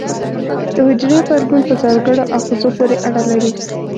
د حجرې غبرګون په ځانګړو آخذو پورې اړه لري.